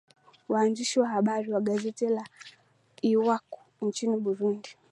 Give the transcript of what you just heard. waandishi wa habari wa gazeti la iwacu nchini burundi